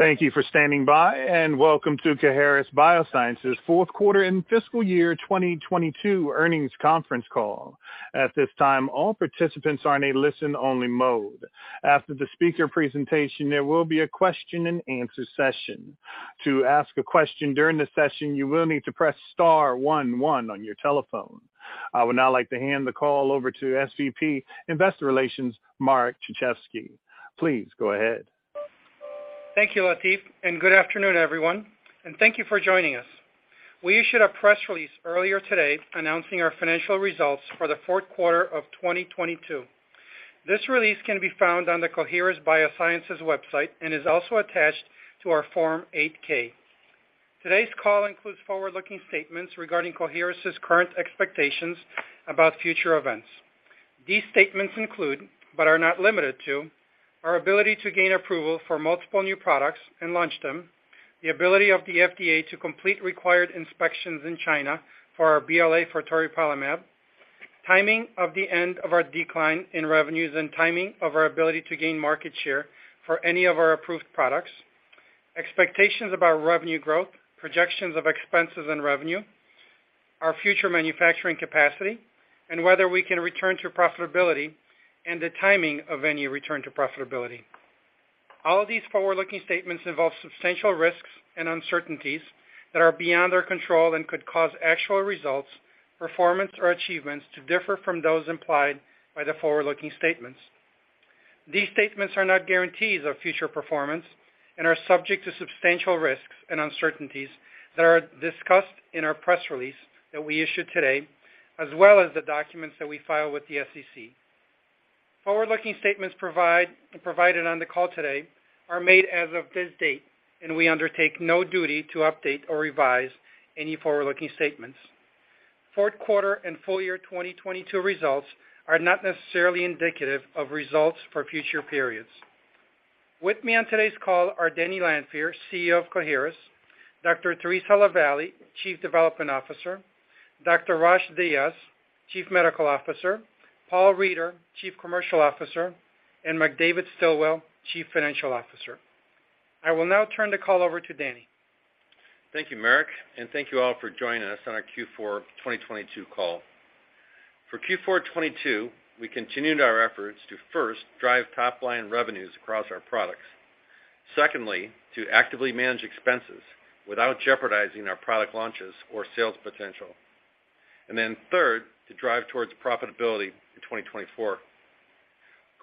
Thank you for standing by and welcome to Coherus BioSciences' fourth quarter and fiscal year 2022 earnings conference call. At this time, all participants are in a listen-only mode. After the speaker presentation, there will be a question and answer session. To ask a question during the session, you will need to press star one one on your telephone. I would now like to hand the call over to SVP, Investor Relations, Marek Ciszewski. Please go ahead. Thank you, Latif. Good afternoon, everyone, and thank you for joining us. We issued a press release earlier today announcing our financial results for the fourth quarter of 2022. This release can be found on the Coherus BioSciences website and is also attached to our Form 8-K. Today's call includes forward-looking statements regarding Coherus's current expectations about future events. These statements include, but are not limited to, our ability to gain approval for multiple new products and launch them, the ability of the FDA to complete required inspections in China for our BLA for toripalimab, timing of the end of our decline in revenues and timing of our ability to gain market share for any of our approved products, expectations about revenue growth, projections of expenses and revenue. Our future manufacturing capacity and whether we can return to profitability and the timing of any return to profitability. All of these forward-looking statements involve substantial risks and uncertainties that are beyond our control and could cause actual results, performance or achievements to differ from those implied by the forward-looking statements. These statements are not guarantees of future performance and are subject to substantial risks and uncertainties that are discussed in our press release that we issued today, as well as the documents that we file with the SEC. Forward-looking statements provided on the call today are made as of this date, and we undertake no duty to update or revise any forward-looking statements. Fourth quarter and full year 2022 results are not necessarily indicative of results for future periods. With me on today's call are Denny Lanfear, CEO of Coherus, Dr. Theresa LaVallee, Chief Development Officer, Dr. Rosh Dias, Chief Medical Officer, Paul Reider, Chief Commercial Officer, and McDavid Stilwell, Chief Financial Officer. I will now turn the call over to Denny. Thank you, Marek, thank you all for joining us on our Q4 2022 call. For Q4 2022, we continued our efforts to first drive top-line revenues across our products. Secondly, to actively manage expenses without jeopardizing our product launches or sales potential. Third, to drive towards profitability in 2024.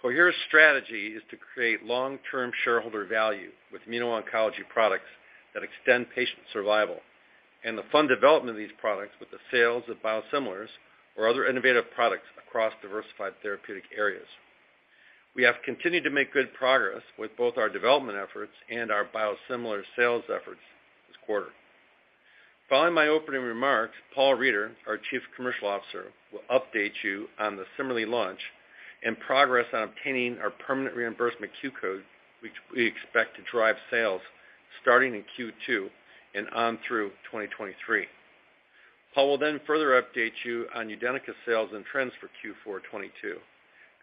Coherus' strategy is to create long-term shareholder value with immuno-oncology products that extend patient survival and to fund development of these products with the sales of biosimilars or other innovative products across diversified therapeutic areas. We have continued to make good progress with both our development efforts and our biosimilar sales efforts this quarter. Following my opening remarks, Paul Reider, our Chief Commercial Officer, will update you on the CIMERLI launch and progress on obtaining our permanent reimbursement Q code, which we expect to drive sales starting in Q2 and on through 2023. Paul will then further update you on UDENYCA sales and trends for Q4 2022,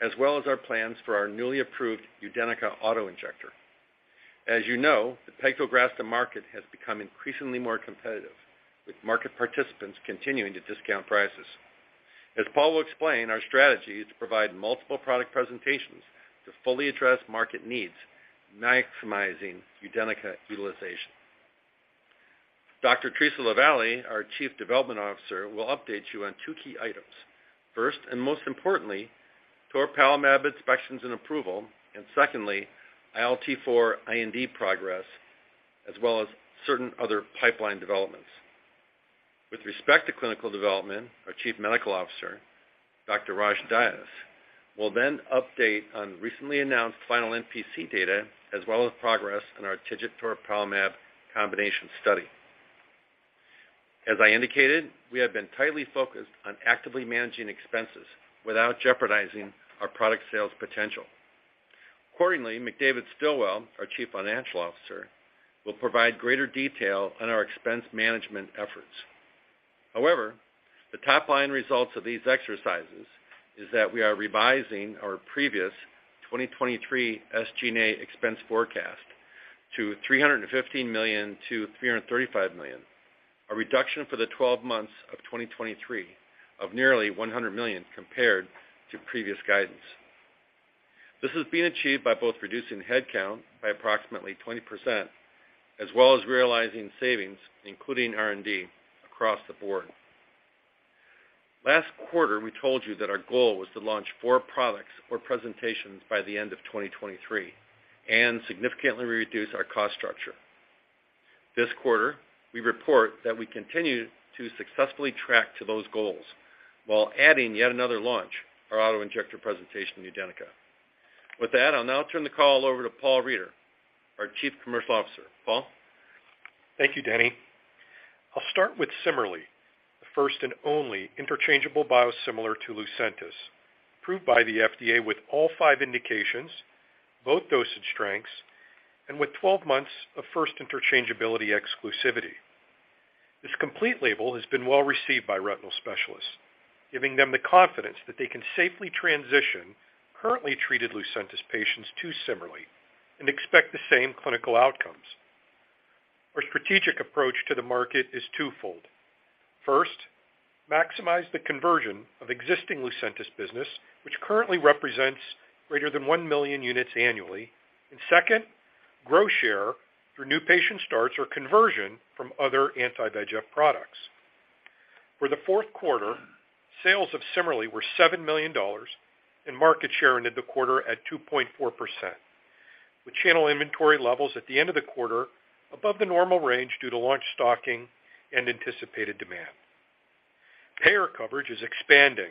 as well as our plans for our newly approved UDENYCA autoinjector. As you know, the pegfilgrastim market has become increasingly more competitive, with market participants continuing to discount prices. As Paul will explain, our strategy is to provide multiple product presentations to fully address market needs, maximizing UDENYCA utilization. Dr. Theresa LaVallee, our Chief Development Officer, will update you on two key items. First, and most importantly, toripalimab inspections and approval, and secondly, ILT4 IND progress, as well as certain other pipeline developments. With respect to clinical development, our Chief Medical Officer, Dr. Rosh Dias, will then update on recently announced final NPC data as well as progress on our TIGIT toripalimab combination study. As I indicated, we have been tightly focused on actively managing expenses without jeopardizing our product sales potential. Accordingly, McDavid Stilwell, our Chief Financial Officer, will provide greater detail on our expense management efforts. The top-line results of these exercises is that we are revising our previous 2023 SG&A expense forecast to $315 million-$335 million, a reduction for the 12 months of 2023 of nearly $100 million compared to previous guidance. This has been achieved by both reducing headcount by approximately 20% as well as realizing savings, including R&D across the board. Last quarter, we told you that our goal was to launch four products or presentations by the end of 2023 and significantly reduce our cost structure. This quarter, we report that we continue to successfully track to those goals while adding yet another launch, our autoinjector presentation, UDENYCA.With that, I'll now turn the call over to Paul Reider, our Chief Commercial Officer. Paul? Thank you, Denny. I'll start with CIMERLI, the first and only interchangeable biosimilar to Lucentis, approved by the FDA with all five indications, both dosage strengths, and with 12 months of first interchangeability exclusivity. This complete label has been well received by retinal specialists, giving them the confidence that they can safely transition currently treated Lucentis patients to CIMERLI and expect the same clinical outcomes. Our strategic approach to the market is twofold. First, maximize the conversion of existing Lucentis business, which currently represents greater than 1 million units annually. Second, grow share through new patient starts or conversion from other anti-VEGF products. For the fourth quarter, sales of CIMERLI were $7 million and market share ended the quarter at 2.4%, with channel inventory levels at the end of the quarter above the normal range due to launch stocking and anticipated demand. Payer coverage is expanding,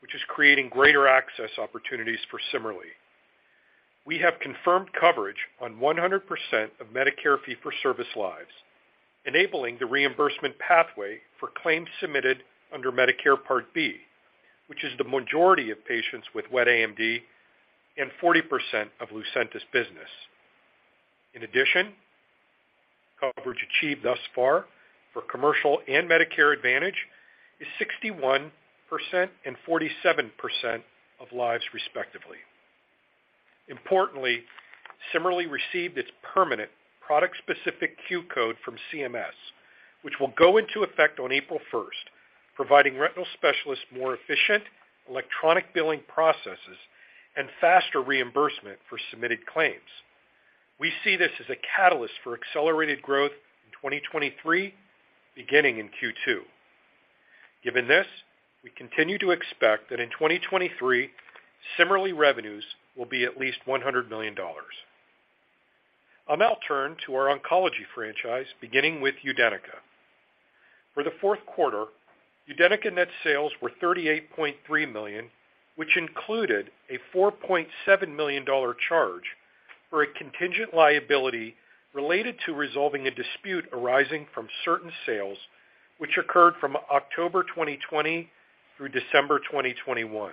which is creating greater access opportunities for CIMERLI. We have confirmed coverage on 100% of Medicare fee-for-service lives, enabling the reimbursement pathway for claims submitted under Medicare Part B, which is the majority of patients with wet AMD and 40% of Lucentis business. In addition, coverage achieved thus far for commercial and Medicare Advantage is 61% and 47% of lives respectively. Importantly, CIMERLI received its permanent product-specific Q code from CMS, which will go into effect on April 1st, providing retinal specialists more efficient electronic billing processes and faster reimbursement for submitted claims. We see this as a catalyst for accelerated growth in 2023, beginning in Q2. Given this, we continue to expect that in 2023, CIMERLI revenues will be at least $100 million. I'll now turn to our oncology franchise, beginning with UDENYCA. For the fourth quarter, UDENYCA net sales were $38.3 million, which included a $4.7 million charge for a contingent liability related to resolving a dispute arising from certain sales, which occurred from October 2020 through December 2021.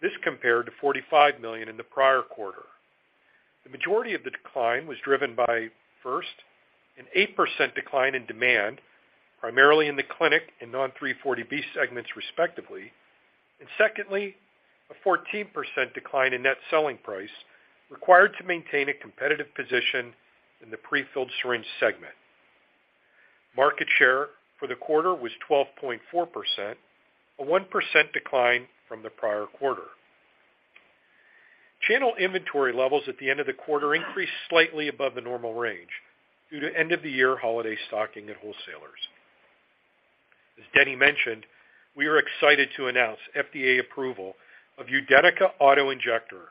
This compared to $45 million in the prior quarter. The majority of the decline was driven by, first, an 8% decline in demand, primarily in the clinic and non-340B segments, respectively. Secondly, a 14% decline in net selling price required to maintain a competitive position in the prefilled syringe segment. Market share for the quarter was 12.4%, a 1% decline from the prior quarter. Channel inventory levels at the end of the quarter increased slightly above the normal range due to end-of-the-year holiday stocking at wholesalers. As Denny mentioned, we are excited to announce FDA approval of UDENYCA auto-injector,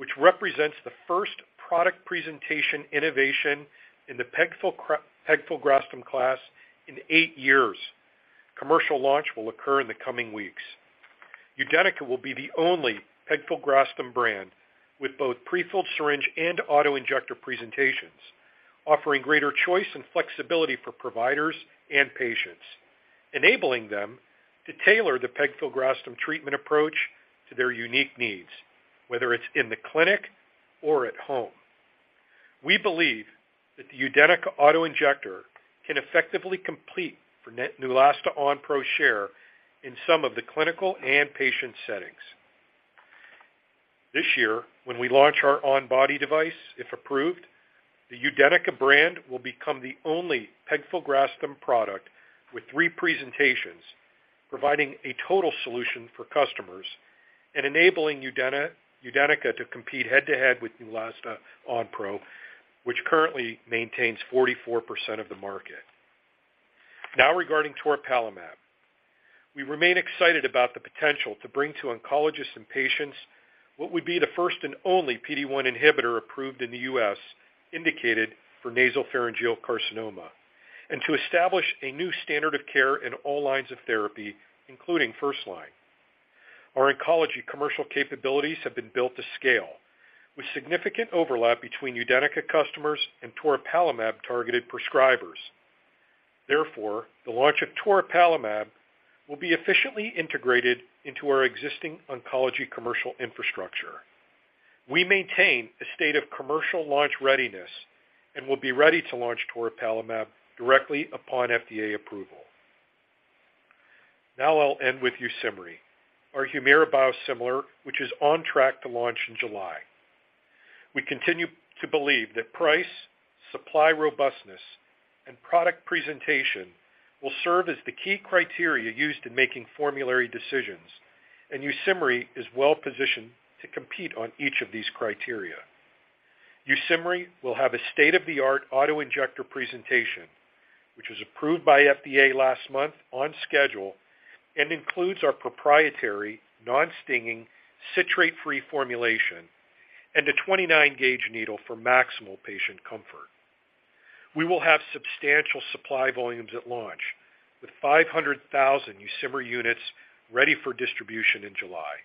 which represents the first product presentation innovation in the pegfilgrastim class in eight years. Commercial launch will occur in the coming weeks. UDENYCA will be the only pegfilgrastim brand with both prefilled syringe and auto-injector presentations, offering greater choice and flexibility for providers and patients, enabling them to tailor the pegfilgrastim treatment approach to their unique needs, whether it's in the clinic or at home. We believe that the UDENYCA auto-injector can effectively complete for Neulasta Onpro share in some of the clinical and patient settings. This year, when we launch our on-body device, if approved, the UDENYCA brand will become the only pegfilgrastim product with three presentations, providing a total solution for customers and enabling UDENYCA to compete head-to-head with Neulasta Onpro, which currently maintains 44% of the market. Now regarding toripalimab. We remain excited about the potential to bring to oncologists and patients what would be the first and only PD-1 inhibitor approved in the U.S. indicated for nasopharyngeal carcinoma, and to establish a new standard of care in all lines of therapy, including first-line. Our oncology commercial capabilities have been built to scale, with significant overlap between UDENYCA customers and toripalimab-targeted prescribers. The launch of toripalimab will be efficiently integrated into our existing oncology commercial infrastructure. We maintain a state of commercial launch readiness and will be ready to launch toripalimab directly upon FDA approval. I'll end with YUSIMRY, our Humira biosimilar, which is on track to launch in July. We continue to believe that price, supply robustness, and product presentation will serve as the key criteria used in making formulary decisions, and YUSIMRY is well-positioned to compete on each of these criteria. YUSIMRY will have a state-of-the-art autoinjector presentation, which was approved by FDA last month on schedule and includes our proprietary non-stinging citrate-free formulation and a 29 gauge needle for maximal patient comfort. We will have substantial supply volumes at launch, with 500,000 YUSIMRY units ready for distribution in July.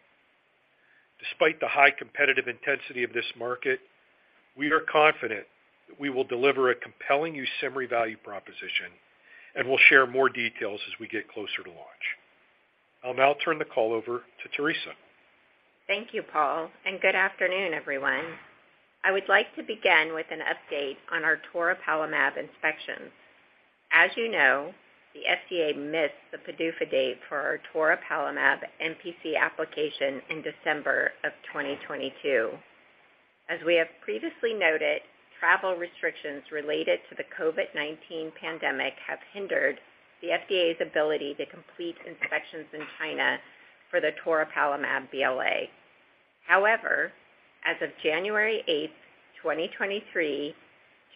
Despite the high competitive intensity of this market, we are confident that we will deliver a compelling YUSIMRY value proposition, and we'll share more details as we get closer to launch. I'll now turn the call over to Theresa. Thank you, Paul. Good afternoon, everyone. I would like to begin with an update on our toripalimab inspections. As you know, the FDA missed the PDUFA date for our toripalimab NPC application in December of 2022. As we have previously noted, travel restrictions related to the COVID-19 pandemic have hindered the FDA's ability to complete inspections in China for the toripalimab BLA. As of January 8th, 2023,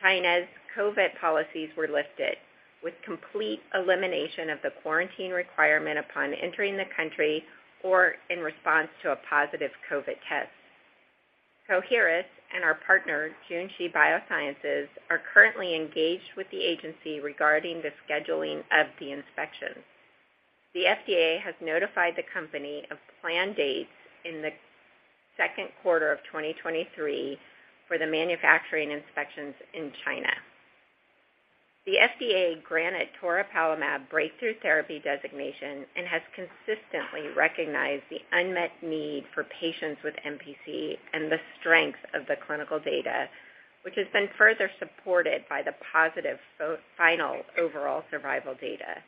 China's COVID policies were lifted, with complete elimination of the quarantine requirement upon entering the country or in response to a positive COVID test. Coherus and our partner, Junshi Biosciences, are currently engaged with the agency regarding the scheduling of the inspections. The FDA has notified the company of planned dates in the second quarter of 2023 for the manufacturing inspections in China. The FDA granted toripalimab breakthrough therapy designation and has consistently recognized the unmet need for patients with NPC and the strength of the clinical data, which has been further supported by the positive final overall survival data.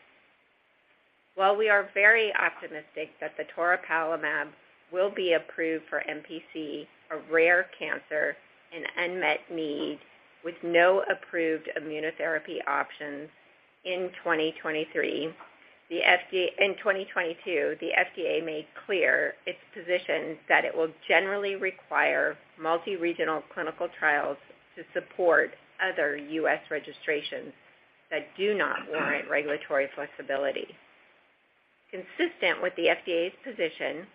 While we are very optimistic that the toripalimab will be approved for NPC, a rare cancer, an unmet need with no approved immunotherapy options in 2023. In 2022, the FDA made clear its position that it will generally require multi-regional clinical trials to support other US registrations that do not warrant regulatory flexibility. Consistent with the FDA's position,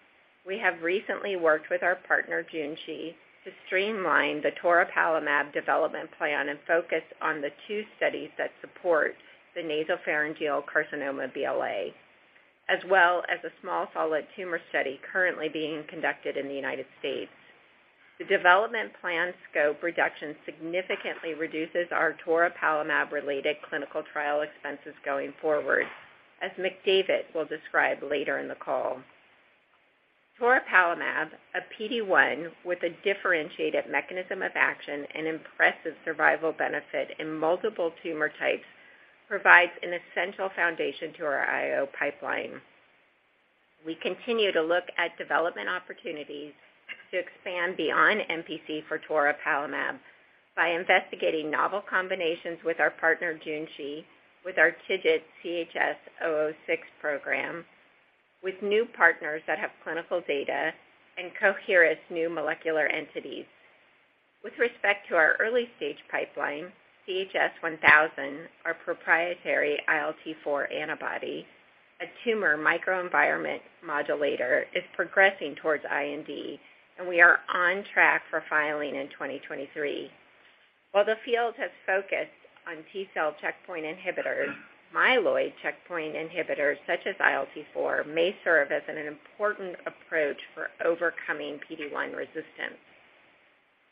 we have recently worked with our partner, Junshi, to streamline the toripalimab development plan and focus on the two studies that support the nasopharyngeal carcinoma BLA, as well as a small solid tumor study currently being conducted in the United States. The development plan scope reduction significantly reduces our toripalimab-related clinical trial expenses going forward, as McDavid will describe later in the call. Toripalimab, a PD-1 with a differentiated mechanism of action and impressive survival benefit in multiple tumor types, provides an essential foundation to our IO pipeline. We continue to look at development opportunities to expand beyond NPC for toripalimab by investigating novel combinations with our partner, Junshi, with our TIGIT CHS-006 program with new partners that have clinical data and Coherus new molecular entities. With respect to our early-stage pipeline, CHS-1000, our proprietary ILT-4 antibody, a tumor microenvironment modulator, is progressing towards IND, and we are on track for filing in 2023. While the field has focused on T-cell checkpoint inhibitors, myeloid checkpoint inhibitors such as ILT-4 may serve as an important approach for overcoming PD-1 resistance.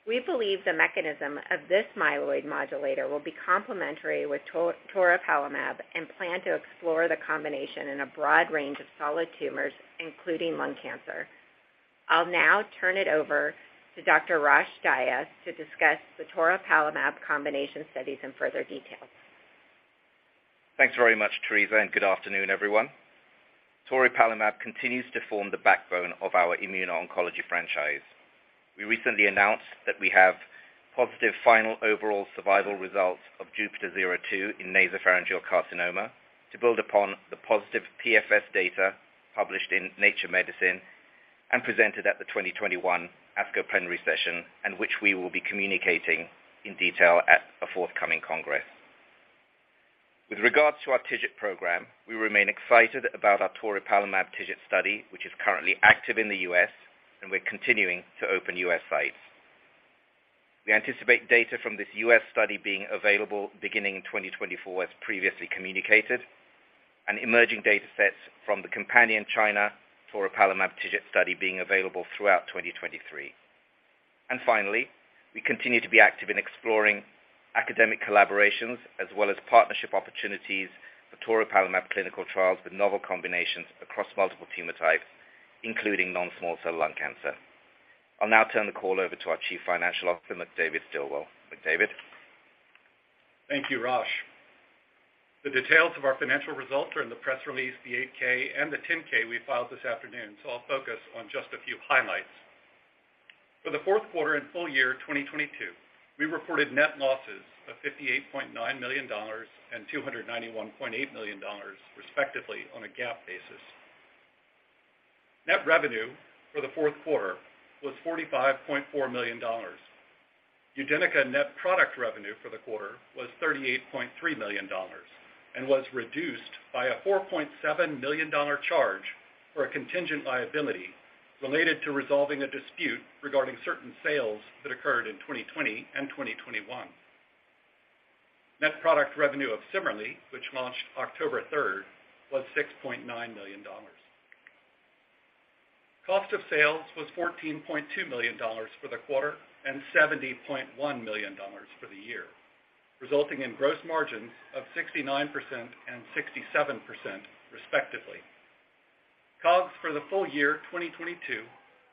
We believe the mechanism of this myeloid modulator will be complementary with toripalimab and plan to explore the combination in a broad range of solid tumors, including lung cancer. I'll now turn it over to Dr. Rosh Dias to discuss the toripalimab combination studies in further detail. Thanks very much, Theresa. Good afternoon, everyone. Toripalimab continues to form the backbone of our immuno-oncology franchise. We recently announced that we have positive final overall survival results of JUPITER-02 in nasopharyngeal carcinoma to build upon the positive PFS data published in Nature Medicine and presented at the 2021 ASCO Plenary Session and which we will be communicating in detail at a forthcoming congress. With regards to our TIGIT program, we remain excited about our toripalimab TIGIT study, which is currently active in the U.S., we're continuing to open U.S. sites. We anticipate data from this U.S. study being available beginning in 2024, as previously communicated, emerging data sets from the companion China toripalimab TIGIT study being available throughout 2023. Finally, we continue to be active in exploring academic collaborations as well as partnership opportunities for toripalimab clinical trials with novel combinations across multiple tumor types, including non-small cell lung cancer. I'll now turn the call over to our Chief Financial Officer, McDavid Stilwell. McDavid? Thank you, Rosh. The details of our financial results are in the press release, the 8-K and the Form 10-K we filed this afternoon, I'll focus on just a few highlights. For the fourth quarter and full year 2022, we reported net losses of $58.9 million and $291.8 million, respectively, on a GAAP basis. Net revenue for the fourth quarter was $45.4 million. UDENYCA net product revenue for the quarter was $38.3 million and was reduced by a $4.7 million charge for a contingent liability related to resolving a dispute regarding certain sales that occurred in 2020 and 2021. Net product revenue of CIMERLI, which launched October third, was $6.9 million. Cost of sales was $14.2 million for the quarter and $70.1 million for the year, resulting in gross margins of 69% and 67% respectively. COGS for the full year 2022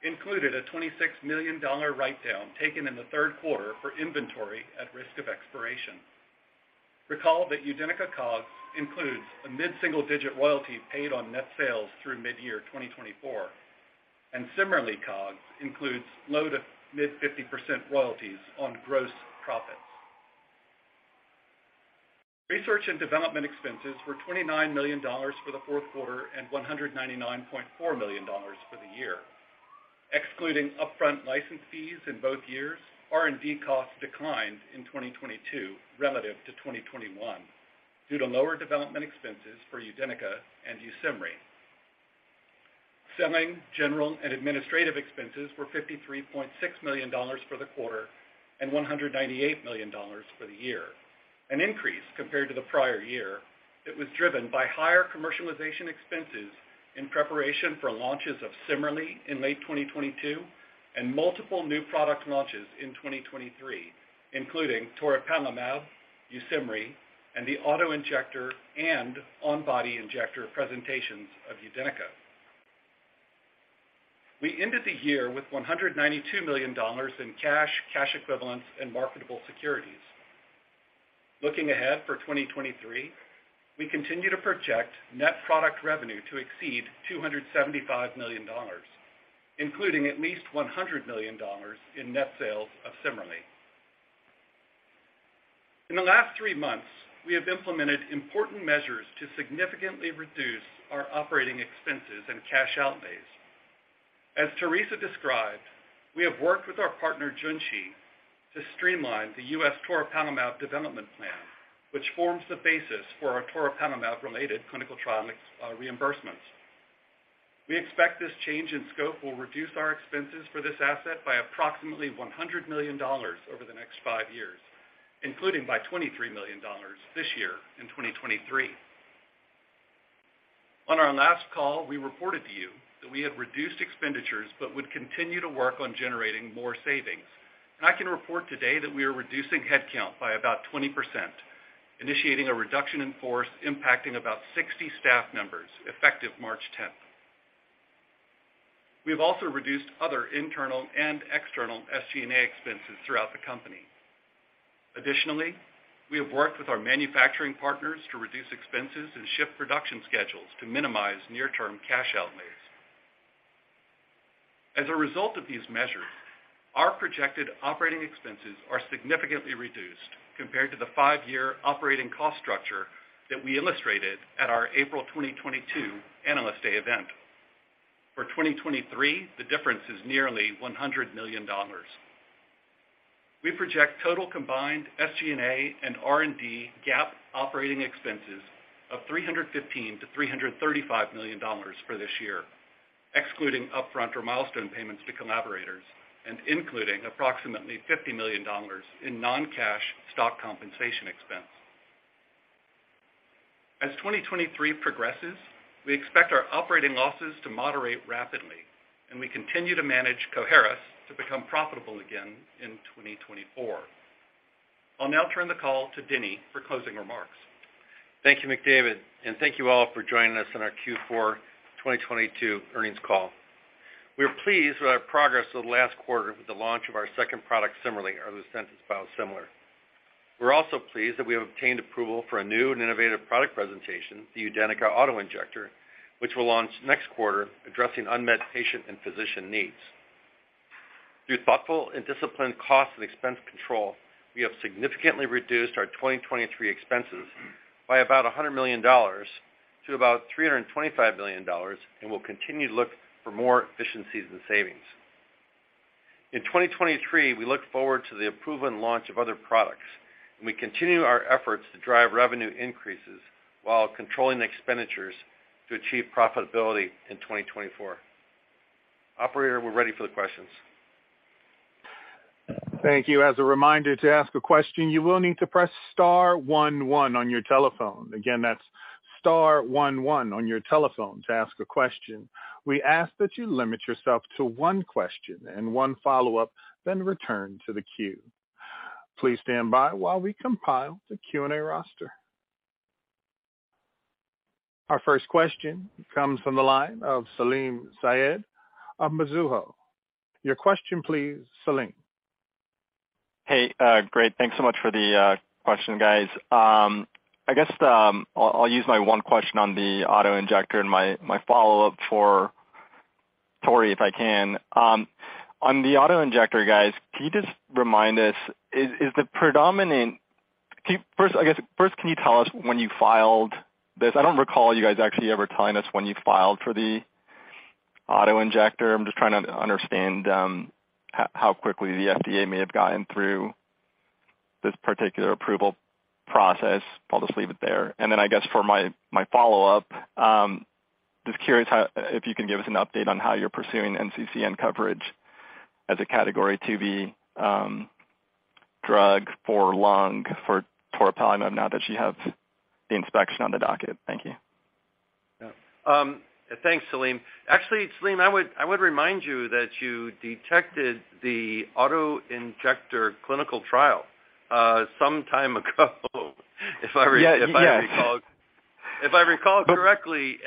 included a $26 million write-down taken in the third quarter for inventory at risk of expiration. Recall that UDENYCA COGS includes a mid-single-digit royalty paid on net sales through midyear 2024, and CIMERLI COGS includes low to mid 50% royalties on gross profits. Research and development expenses were $29 million for the fourth quarter and $199.4 million for the year. Excluding upfront license fees in both years, R&D costs declined in 2022 relative to 2021 due to lower development expenses for UDENYCA and YUSIMRY. Selling, general, and administrative expenses were $53.6 million for the quarter and $198 million for the year. An increase compared to the prior year that was driven by higher commercialization expenses in preparation for launches of CIMERLI in late 2022 and multiple new product launches in 2023, including toripalimab, YUSIMRY, and the autoinjector and on-body injector presentations of UDENYCA. We ended the year with $192 million in cash equivalents, and marketable securities. Looking ahead for 2023, we continue to project net product revenue to exceed $275 million, including at least $100 million in net sales of CIMERLI. In the last three months, we have implemented important measures to significantly reduce our operating expenses and cash outlays. As Theresa described, we have worked with our partner Junshi to streamline the U.S. toripalimab development plan, which forms the basis for our toripalimab-related clinical trial reimbursements. We expect this change in scope will reduce our expenses for this asset by approximately $100 million over the next five years, including by $23 million this year in 2023. On our last call, we reported to you that we had reduced expenditures but would continue to work on generating more savings. I can report today that we are reducing headcount by about 20%, initiating a reduction in force impacting about 60 staff members effective March 10th. We have also reduced other internal and external SG&A expenses throughout the company. Additionally, we have worked with our manufacturing partners to reduce expenses and shift production schedules to minimize near-term cash outlays. As a result of these measures, our projected operating expenses are significantly reduced compared to the five-year operating cost structure that we illustrated at our April 2022 Analyst Day event. For 2023, the difference is nearly $100 million. We project total combined SG&A and R&D GAAP operating expenses of $315 million-$335 million for this year, excluding upfront or milestone payments to collaborators and including approximately $50 million in non-cash stock compensation expense. As 2023 progresses, we expect our operating losses to moderate rapidly, and we continue to manage Coherus to become profitable again in 2024. I'll now turn the call to Denny for closing remarks. Thank you, McDavid, and thank you all for joining us on our Q4 2022 earnings call. We are pleased with our progress over the last quarter with the launch of our second product, CIMERLI, our Lucentis biosimilar. We're also pleased that we have obtained approval for a new and innovative product presentation, the UDENYCA autoinjector, which we'll launch next quarter addressing unmet patient and physician needs. Through thoughtful and disciplined cost and expense control, we have significantly reduced our 2023 expenses by about $100 million to about $325 million. We'll continue to look for more efficiencies and savings. In 2023, we look forward to the approval and launch of other products. We continue our efforts to drive revenue increases while controlling expenditures to achieve profitability in 2024. Operator, we're ready for the questions. Thank you. As a reminder, to ask a question, you will need to press star one one on your telephone. Again, that's star one one on your telephone to ask a question. We ask that you limit yourself to one question and one follow-up, then return to the queue. Please stand by while we compile the Q&A roster. Our first question comes from the line of Salim Syed of Mizuho. Your question, please, Salim. Hey, great. Thanks so much for the question, guys. I guess, I'll use my one question on the auto-injector and my follow-up for Tori if I can. On the auto-injector, guys, can you just remind us, is the predominant. First, I guess, first, can you tell us when you filed this? I don't recall you guys actually ever telling us when you filed for the auto-injector. I'm just trying to understand how quickly the FDA may have gotten through this particular approval process. I'll just leave it there. I guess for my follow-up, just curious if you can give us an update on how you're pursuing NCCN coverage as a Category 2B drug for lung for toripalimab now that you have the inspection on the docket? Thank you. Yeah. Thanks, Salim. Actually, Salim, I would remind you that you detected the autoinjector clinical trial, some time ago. If I recall correctly.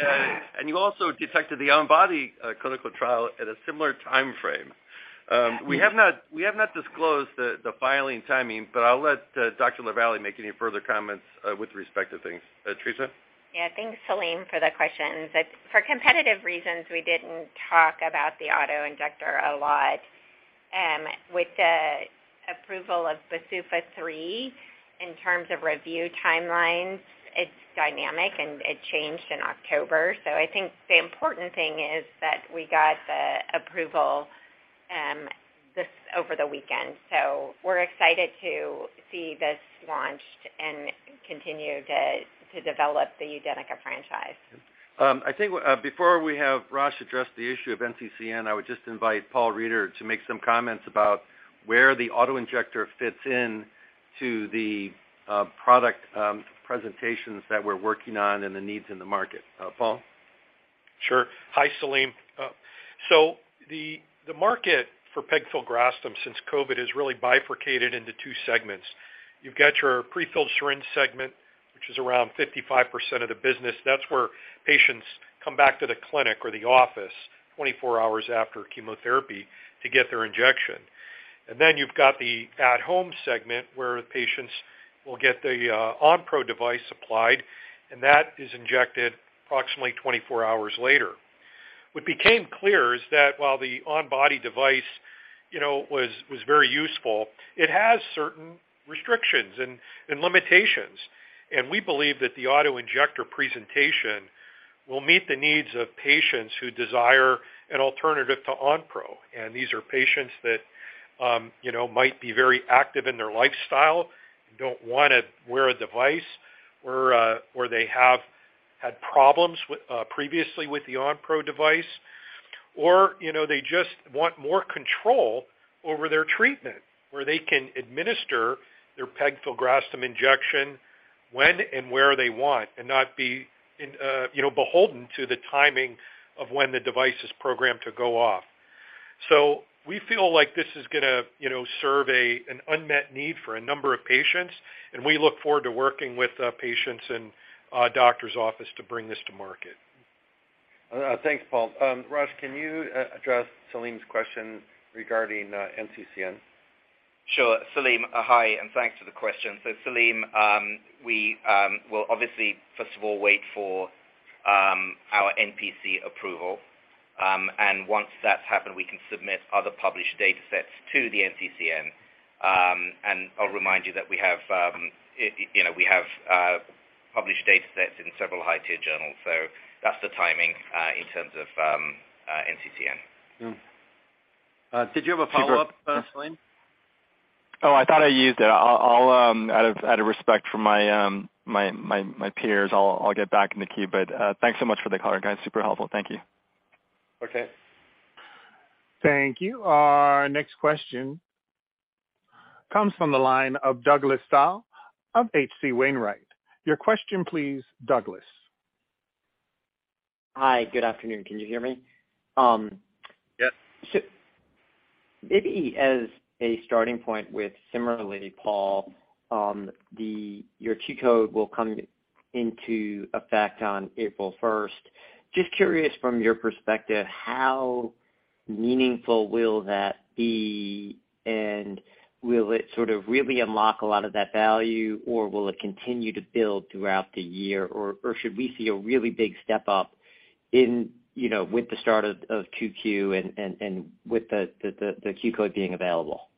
You also detected the on-body clinical trial at a similar timeframe. We have not disclosed the filing timing, but I'll let Dr. LaVallee make any further comments with respect to things. Theresa? Yeah, thanks, Salim, for the question. For competitive reasons, we didn't talk about the autoinjector a lot. With the approval of BsUFA III, in terms of review timelines, it's dynamic, and it changed in October. I think the important thing is that we got the approval, this over the weekend. We're excited to see this launched and continue to develop the UDENYCA franchise. I think, before we have Rosh address the issue of NCCN, I would just invite Paul Reider to make some comments about where the autoinjector fits in to the product presentations that we're working on and the needs in the market. Paul? Sure. Hi, Salim. The market for pegfilgrastim since COVID has really bifurcated into two segments. You've got your prefilled syringe segment, which is around 55% of the business. That's where patients come back to the clinic or the office 24 hours after chemotherapy to get their injection. You've got the at-home segment, where patients will get the Onpro device supplied, and that is injected approximately 24 hours later. What became clear is that while the on-body device, you know, was very useful, it has certain restrictions and limitations. We believe that the autoinjector presentation will meet the needs of patients who desire an alternative to Onpro.These are patients that, you know, might be very active in their lifestyle and don't wanna wear a device, or they have had problems previously with the Onpro device. You know, they just want more control over their treatment, where they can administer their pegfilgrastim injection when and where they want and not be in, you know, beholden to the timing of when the device is programmed to go off. We feel like this is gonna, you know, serve an unmet need for a number of patients, and we look forward to working with patients and doctor's office to bring this to market. Thanks, Paul. Rosh, can you address Salim's question regarding NCCN? Sure. Salim, hi, and thanks for the question. Salim, we will obviously, first of all, wait for our NPC approval. Once that's happened, we can submit other published datasets to the NCCN. I'll remind you that we have, you know, we have published datasets in several high-tier journals. That's the timing in terms of NCCN. Did you have a follow-up, Salim? Oh, I thought I used it. I'll Out of respect for my peers, I'll get back in the queue. Thanks so much for the color, guys. Super helpful. Thank you. Okay. Thank you. Our next question comes from the line of Douglas Tsao of H.C. Wainwright. Your question please, Douglas. Hi. Good afternoon. Can you hear me? Yep. Maybe as a starting point with CIMERLI, Paul, your Q code will come into effect on April 1st. Just curious from your perspective, how meaningful will that be, and will it sort of really unlock a lot of that value, or will it continue to build throughout the year, or should we see a really big step up in, you know, with the start of Q2 and with the Q code being available?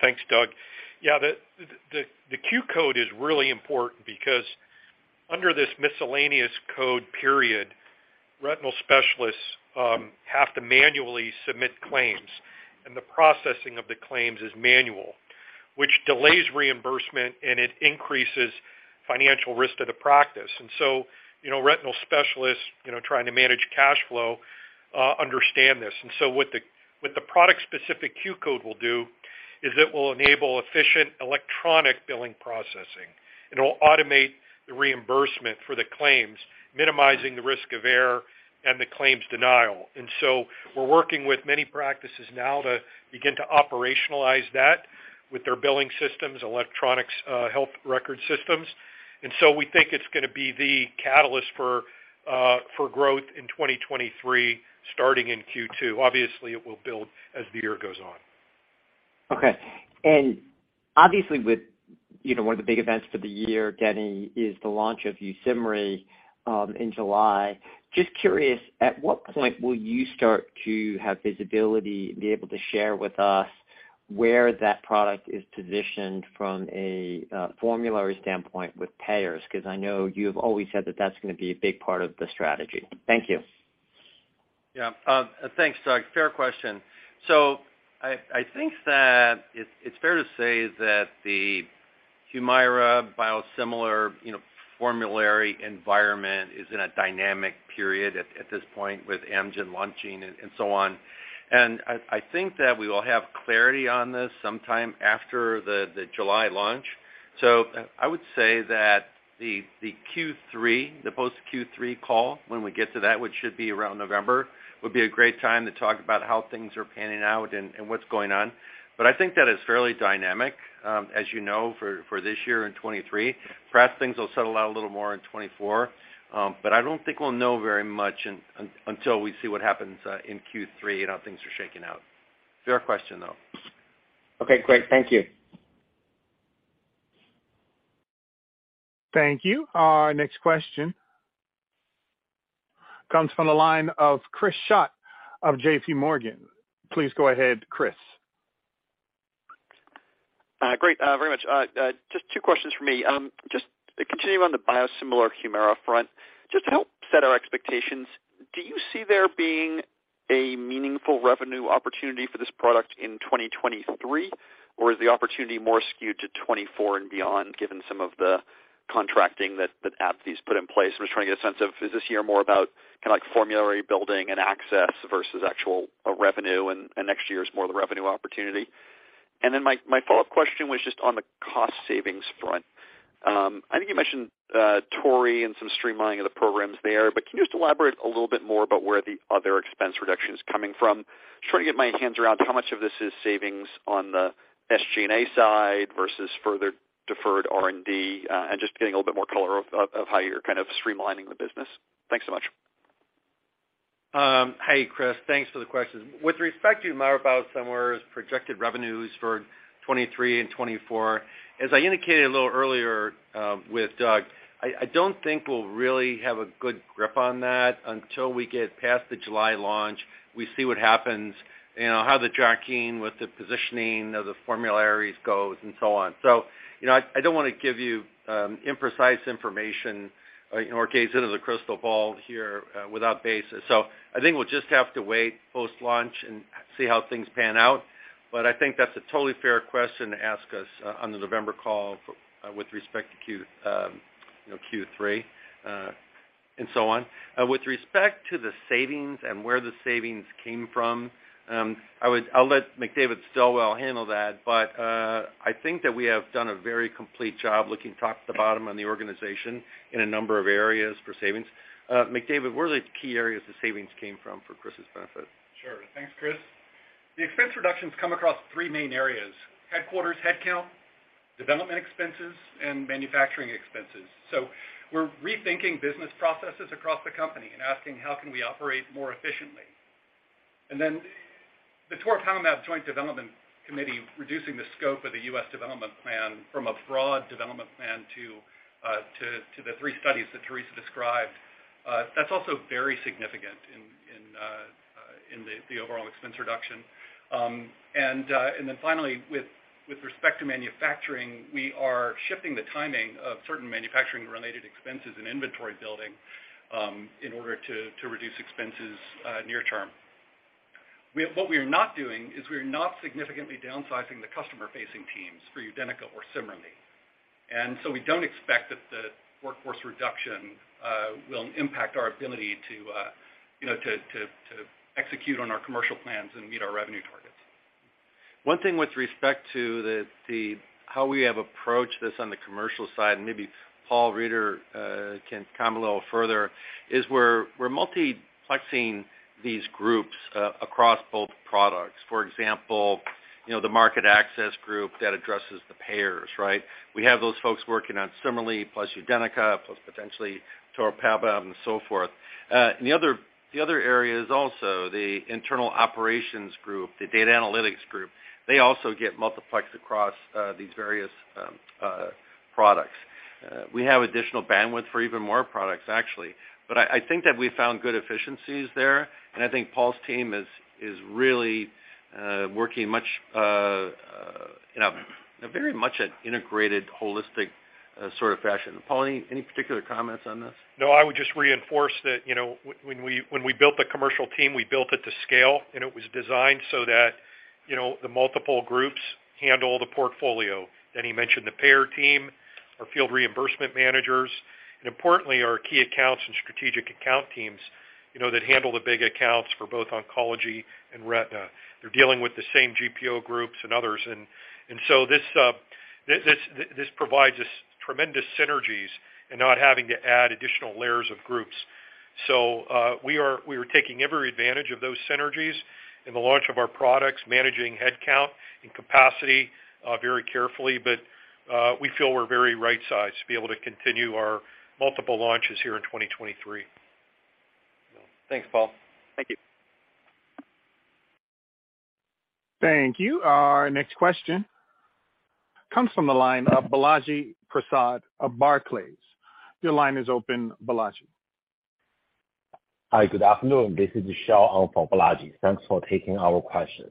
Thanks, Doug. The Q code is really important because under this miscellaneous code period, retinal specialists have to manually submit claims, the processing of the claims is manual, which delays reimbursement, and it increases financial risk to the practice. Retinal specialists, you know, trying to manage cash flow, understand this. What the product-specific Q code will do is it will enable efficient electronic billing processing. It'll automate the reimbursement for the claims, minimizing the risk of error and the claims denial. We're working with many practices now to begin to operationalize that with their billing systems, electronics, health record systems. We think it's gonna be the catalyst for growth in 2023, starting in Q2. Obviously, it will build as the year goes on. Okay. Obviously with, you know, one of the big events for the year, Denny, is the launch of YUSIMRY in July. Just curious, at what point will you start to have visibility and be able to share with us where that product is positioned from a formulary standpoint with payers? 'Cause I know you've always said that that's gonna be a big part of the strategy. Thank you. Yeah. Thanks, Doug. Fair question. I think that it's fair to say that the Humira biosimilar, you know, formulary environment is in a dynamic period at this point with Amgen launching and so on. I think that we will have clarity on this sometime after the July launch. I would say that the Q3, the post Q3 call when we get to that, which should be around November, would be a great time to talk about how things are panning out and what's going on. I think that is fairly dynamic, as you know, for this year in 23. Perhaps things will settle out a little more in 24. I don't think we'll know very much until we see what happens in Q3 and how things are shaking out. Fair question, though. Okay, great. Thank you. Thank you. Our next question comes from the line of Chris Schott of JPMorgan. Please go ahead, Chris. Great, very much. Just two questions for me. Just continuing on the biosimilar Humira front, just to help set our expectations, do you see there being a meaningful revenue opportunity for this product in 2023? Or is the opportunity more skewed to 2024 and beyond, given some of the contracting that AbbVie's put in place? I'm just trying to get a sense of, is this year more about formulary building and access versus actual revenue, and next year is more the revenue opportunity? My follow-up question was just on the cost savings front. I think you mentioned toripalimab and some streamlining of the programs there, but can you just elaborate a little bit more about where the other expense reduction is coming from? Just trying to get my hands around how much of this is savings on the SG&A side versus further deferred R&D, and just getting a little bit more color of how you're kind of streamlining the business. Thanks so much. Hey, Chris. Thanks for the question. With respect to Humira biosimilar's projected revenues for 2023 and 2024, as I indicated a little earlier, with Doug, I don't think we'll really have a good grip on that until we get past the July launch. We see what happens, you know, how the jockeying with the positioning of the formularies goes and so on. You know, I don't wanna give you imprecise information or gaze into the crystal ball here, without basis. I think we'll just have to wait post-launch and see how things pan out. I think that's a totally fair question to ask us on the November call with respect to Q, you know, Q3, and so on. With respect to the savings and where the savings came from, I'll let McDavid Stilwell handle that. I think that we have done a very complete job looking top to bottom on the organization in a number of areas for savings. McDavid, where are the key areas the savings came from for Chris's benefit? Thanks, Chris. The expense reductions come across three main areas, headquarters headcount, development expenses, and manufacturing expenses. We're rethinking business processes across the company and asking how can we operate more efficiently. The toripalimab joint development committee reducing the scope of the U.S. development plan from a broad development plan to the three studies that Theresa described, that's also very significant in the overall expense reduction. Finally, with respect to manufacturing, we are shifting the timing of certain manufacturing-related expenses and inventory building, in order to reduce expenses near term. What we are not doing is we are not significantly downsizing the customer-facing teams for UDENYCA or CIMERLI. We don't expect that the workforce reduction, will impact our ability to, you know, to execute on our commercial plans and meet our revenue targets. One thing with respect to the how we have approached this on the commercial side, and maybe Paul Reider can comment a little further, is we're multiplexing these groups across both products. For example, you know, the market access group that addresses the payers, right? We have those folks working on CIMERLI plus UDENYCA plus potentially toripalimab and so forth. The other area is also the internal operations group, the data analytics group. They also get multiplexed across these various products. We have additional bandwidth for even more products actually. I think that we found good efficiencies there, and I think Paul's team is really working much in a very much an integrated holistic sort of fashion. Paul, any particular comments on this? No, I would just reinforce that, you know, when we built the commercial team, we built it to scale, and it was designed so that, you know, the multiple groups handle the portfolio. Then he mentioned the payer team, our field reimbursement managers, and importantly, our key accounts and strategic account teams, you know, that handle the big accounts for both oncology and retina. They're dealing with the same GPO groups and others. And so this, this provides us tremendous synergies in not having to add additional layers of groups. So we are taking every advantage of those synergies in the launch of our products, managing headcount and capacity very carefully. But we feel we're very right-sized to be able to continue our multiple launches here in 2023. Thanks, Paul. Thank you. Thank you. Our next question comes from the line of Balaji Prasad of Barclays. Your line is open, Balaji. Hi. Good afternoon. This is Xiao on for Balaji. Thanks for taking our question.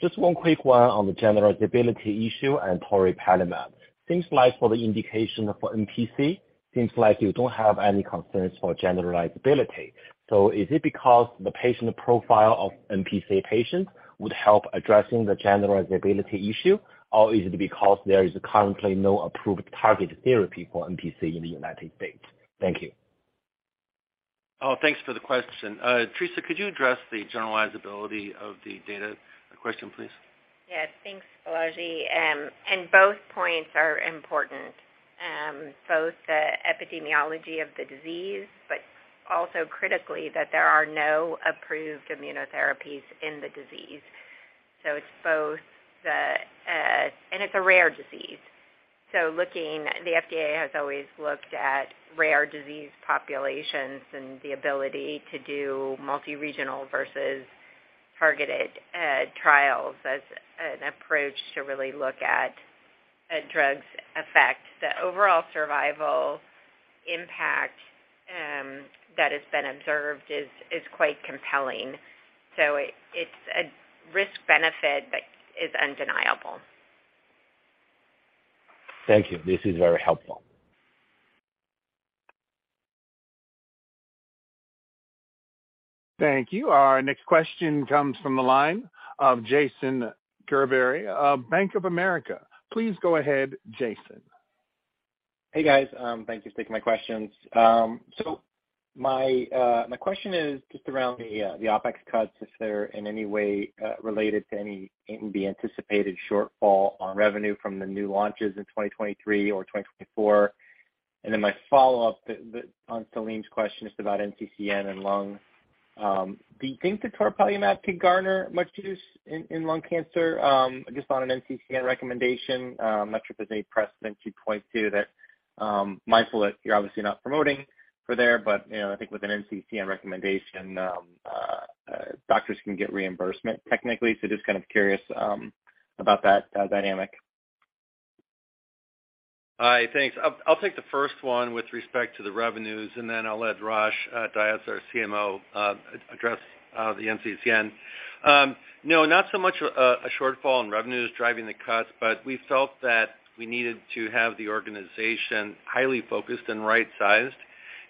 Just one quick one on the generalizability issue and toripalimab. Seems like for the indication for NPC, seems like you don't have any concerns for generalizability. Is it because the patient profile of NPC patients would help addressing the generalizability issue? Is it because there is currently no approved targeted therapy for NPC in the United States? Thank you. Oh, thanks for the question. Theresa, could you address the generalizability of the data question, please? Yes. Thanks, Balaji. Both points are important. Both the epidemiology of the disease, but also critically, that there are no approved immunotherapies in the disease. It's both the. It's a rare disease. The FDA has always looked at rare disease populations and the ability to do multi-regional versus targeted trials as an approach to really look at a drug's effect. The overall survival impact that has been observed is quite compelling. It's a risk benefit that is undeniable. Thank you. This is very helpful. Thank you. Our next question comes from the line of Jason Gerberry of Bank of America. Please go ahead, Jason. Hey, guys. Thank you for taking my questions. So my question is just around the OpEx cuts if they're in any way related to any and be anticipated shortfall on revenue from the new launches in 2023 or 2024. My follow-up on Salim's question is about NCCN and lung. Do you think the toripalimab could garner much use in lung cancer, just on an NCCN recommendation? Metro precedent you point to that, mindful that you're obviously not promoting for there, but, you know, I think with an NCCN recommendation, doctors can get reimbursement technically. Just kind of curious about that dynamic. Hi. Thanks. I'll take the first one with respect to the revenues, and then I'll let Rosh Dias, our CMO, address the NCCN. No, not so much a shortfall in revenues driving the cuts, but we felt that we needed to have the organization highly focused and right-sized,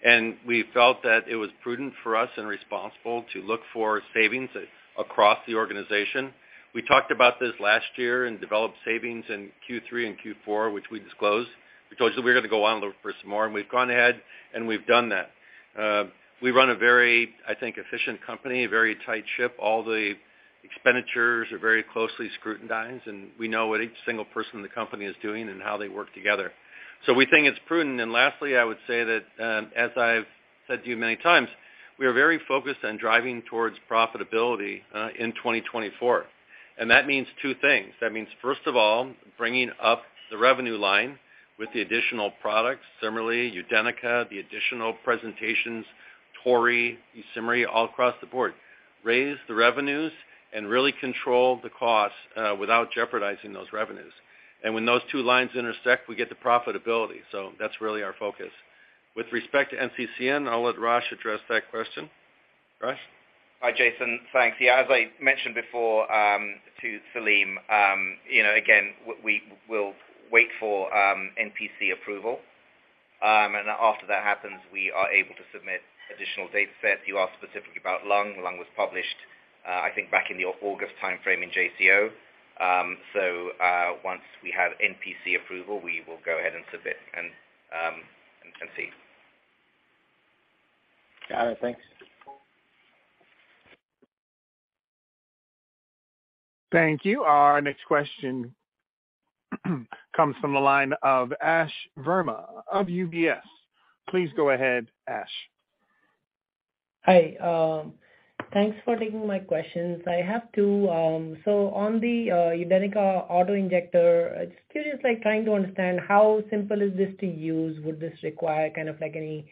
and we felt that it was prudent for us and responsible to look for savings across the organization. We talked about this last year and developed savings in Q3 and Q4, which we disclosed. We told you we're gonna go out and look for some more, and we've gone ahead, and we've done that. We run a very, I think, efficient company, a very tight ship. All the expenditures are very closely scrutinized, and we know what each single person in the company is doing and how they work together. We think it's prudent. Lastly, I would say that, as I've said to you many times, we are very focused on driving towards profitability in 2024. That means two things. That means, first of all, bringing up the revenue line with the additional products, CIMERLI, UDENYCA, the additional presentations, Tori, YUSIMRY, all across the board. Raise the revenues and really control the cost without jeopardizing those revenues. When those two lines intersect, we get the profitability. That's really our focus. With respect to NCCN, I'll let Rosh address that question. Rosh? Hi, Jason. Thanks. Yeah, as I mentioned before, to Salim, you know, again, we will wait for NPC approval. After that happens, we are able to submit additional datasets. You asked specifically about lung. Lung was published, I think back in the August timeframe in JCO. Once we have NPC approval, we will go ahead and submit and see. Got it. Thanks. Thank you. Our next question comes from the line of Ashish Verma of UBS. Please go ahead, Ash. Hi. Thanks for taking my questions. I have two. On the UDENYCA autoinjector, just curious, like, trying to understand how simple is this to use? Would this require kind of like any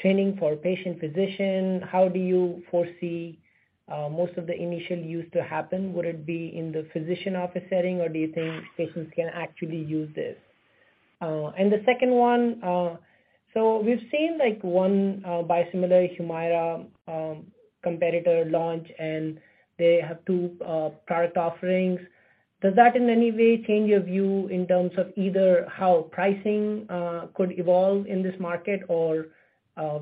training for patient, physician? How do you foresee most of the initial use to happen? Would it be in the physician office setting, or do you think patients can actually use this? The second one, we've seen, like, 1 biosimilar Humira competitor launch, and they have 2 product offerings. Does that in any way change your view in terms of either how pricing could evolve in this market or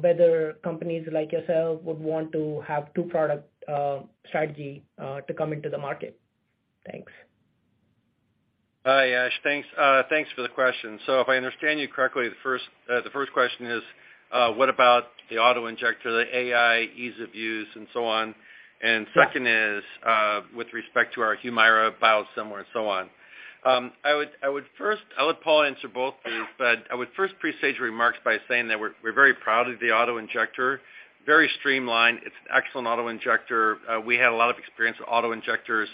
whether companies like yourself would want to have 2 product strategy to come into the market? Thanks. Hi, Ash. Thanks, thanks for the question. If I understand you correctly, the first question is, what about the autoinjector, the AI ease of use and so on. Second is, with respect to our Humira biosimilar and so on. I'll let Paul answer both these, but I would first presage remarks by saying that we're very proud of the autoinjector. Very streamlined. It's an excellent autoinjector. We had a lot of experience with autoinjectors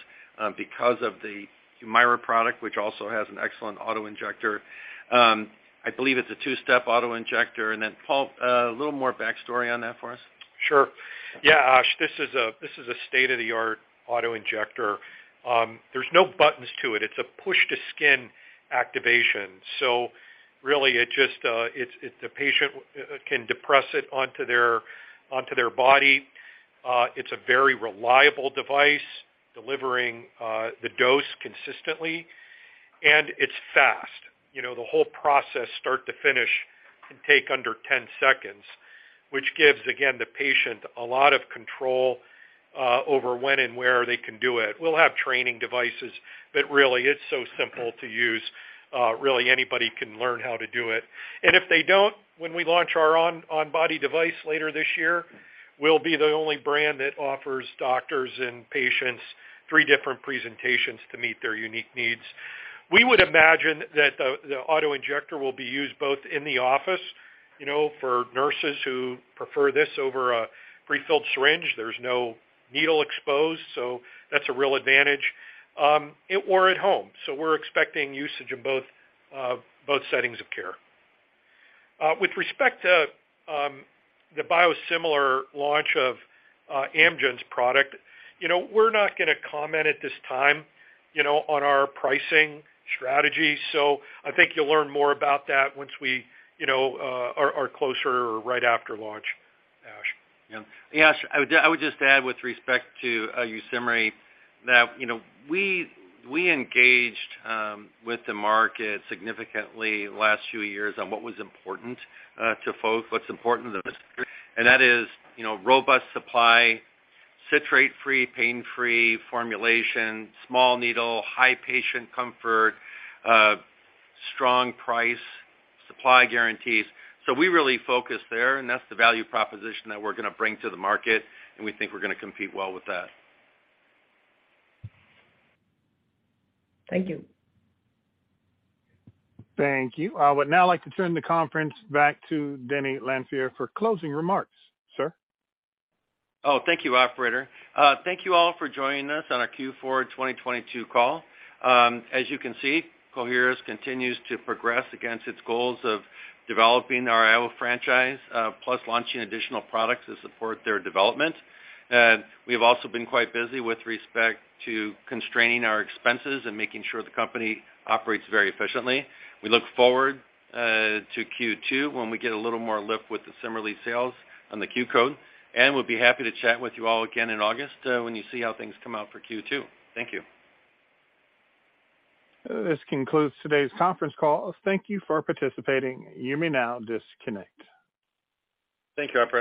because of the Humira product, which also has an excellent autoinjector. I believe it's a two-step autoinjector. Paul, a little more backstory on that for us. Sure. Yeah, Ash, this is a, this is a state-of-the-art autoinjector. There's no buttons to it. It's a push-to-skin activation. Really, it just, it's the patient can depress it onto their body. It's a very reliable device, delivering the dose consistently, and it's fast. You know, the whole process start to finish can take under 10 seconds, which gives, again, the patient a lot of control, over when and where they can do it. We'll have training devices, but really it's so simple to use, really anybody can learn how to do it. And if they don't, when we launch our on-body device later this year, we'll be the only brand that offers doctors and patients three different presentations to meet their unique needs. We would imagine that the autoinjector will be used both in the office, you know, for nurses who prefer this over a prefilled syringe. There's no needle exposed, so that's a real advantage, or at home. We're expecting usage in both settings of care. With respect to, the biosimilar launch of Amgen's product, you know, we're not gonna comment at this time, you know, on our pricing strategy. I think you'll learn more about that once we, you know, are closer or right after launch, Ash. I would just add with respect to YUSIMRY that, you know, we engaged with the market significantly the last few years on what was important to folks, what's important to the. That is, you know, robust supply, citrate free, pain-free formulation, small needle, high patient comfort, strong price, supply guarantees. We really focus there, and that's the value proposition that we're gonna bring to the market, and we think we're gonna compete well with that. Thank you. Thank you. I would now like to turn the conference back to Denny Lanfear for closing remarks. Sir. Thank you, operator. Thank you all for joining us on our Q4 2022 call. As you can see, Coherus continues to progress against its goals of developing our IO franchise, plus launching additional products to support their development. We have also been quite busy with respect to constraining our expenses and making sure the company operates very efficiently. We look forward to Q2 when we get a little more lift with the CIMERLI sales on the Q code, and we'll be happy to chat with you all again in August, when you see how things come out for Q2. Thank you. This concludes today's conference call. Thank you for participating. You may now disconnect. Thank you, operator.